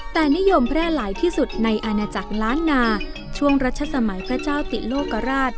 แต่นิยมแพร่หลายที่สุดในอาณาจักรล้านนาช่วงรัชสมัยพระเจ้าติโลกราช